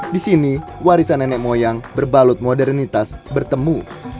di sini warisan nenek moyang berbalut modernitas bertemu